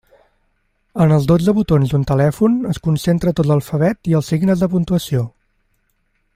En els dotze botons d'un telèfon es concentra tot l'alfabet i els signes de puntuació.